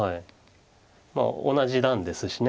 まあ同じ段ですしね。